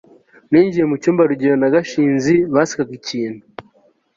ninjiye mucyumba, rugeyo na gashinzi basekaga ikintu